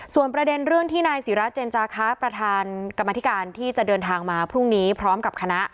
ส่วนประเด็นเรื่องที่นายศิราเจนจาคะประธานกรรมธิการที่จะเดินทางมาพรุ่งนี้พร้อมกับคณะ